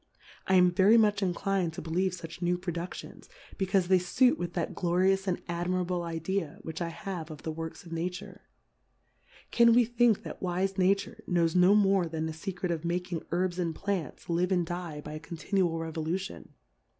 I am very much inclin'd to believe fuch new Produftions, becauie they fuit with that Glorious and Admirable Idea which 1 have of the Works of Nature. Can we think that wife Nature knows no more than the Secret of making Herbs and Plants live and die by a con^ tinual Plurality (^/WORLDS. 163 tinual Revolution